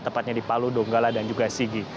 tepatnya di palu donggala dan juga sigi